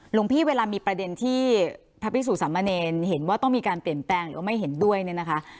หลวงพี่เวลามีประเด็นที่พระพิสุสามเณรเห็นว่าต้องมีการเปลี่ยนแปลงหรือไม่เห็นด้วยเนี่ยนะคะ